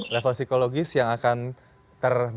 level psikologis yang akan ter